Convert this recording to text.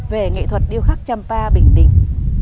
về nghệ thuật điêu khắc trầm pa bình định